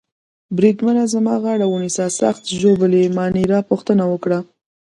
بریدمنه زما غاړه ونیسه، سخت ژوبل يې؟ مانیرا پوښتنه وکړه.